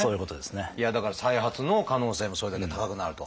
いやだから再発の可能性もそれだけ高くなると。